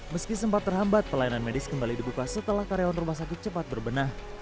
meski sempat terhambat pelayanan medis kembali dibuka setelah karyawan rumah sakit cepat berbenah